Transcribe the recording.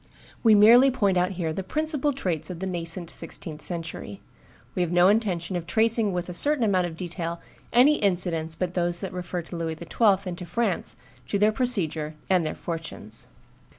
We merely point out here the principal traits of the nascent sixteenth century; we have no intention of tracing with a certain amount of detail any incidents but those that refer to Louis XII. and to France, to their procedure and their fortunes.